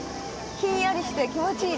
ひんやりして気持ちいい。